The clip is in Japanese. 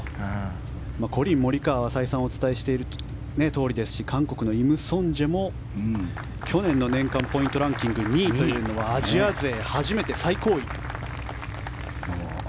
コリン・モリカワは再三お伝えしているとおりですし韓国のイム・ソンジェも去年の年間ランキングポイント２位というのはアジア勢初めて最高位。